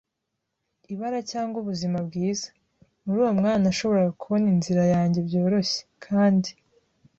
ibara cyangwa ubuzima bwiza! Muri uwo mwanya nashoboraga kubona inzira yanjye byoroshye, kandi